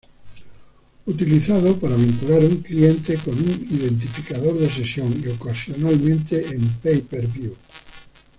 Utilizado para vincular un cliente con un identificador de sesión y ocasionalmente en pay-per-view.